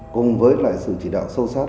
cùng với lại sự chỉ đạo sâu sát